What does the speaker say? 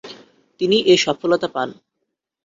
তিনি এ সফলতা পান।